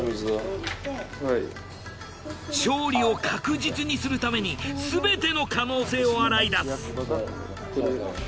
勝利を確実にするためにすべての可能性を洗い出す。